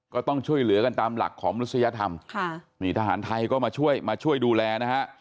ก็ต้องช่วยเหลือกันตามหลักของมนุษยธรรมค่ะนี่ทหารไทยก็มาช่วยมาช่วยดูแลนะฮะ